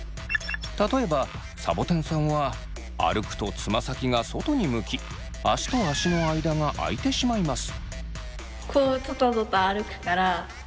例えばさぼてんさんは歩くとつま先が外に向き足と足の間があいてしまいます。